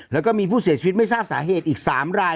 แล้วก็มีผู้เสียชีวิตไม่ทราบสาเหตุอีก๓ราย